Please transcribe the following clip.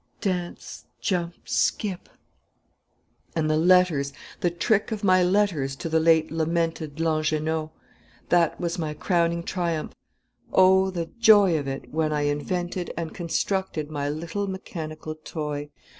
Dance! Jump! Skip! "And the letters! The trick of my letters to the late lamented Langernault! That was my crowning triumph. Oh, the joy of it, when I invented and constructed my little mechanical toy!